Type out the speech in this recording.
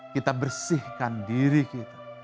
kita bersihkan diri kita